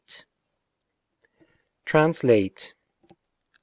TRANSLATE 1.